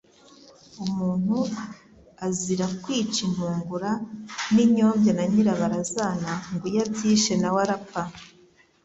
Umuntu azira kwica intungura n’inyombya na nyirabarazana ngo iyo abyishe, nawe arapfa